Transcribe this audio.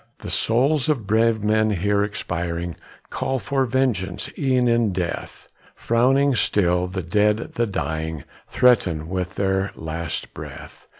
The souls of brave men here expiring Call for vengeance e'en in death, Frowning still, the dead, the dying, Threaten with their latest breath.